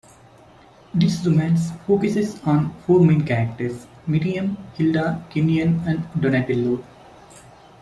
This romance focuses on four main characters: Miriam, Hilda, Kenyon, and Donatello.